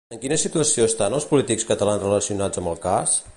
En quina situació estan els polítics catalans relacionats amb el cas?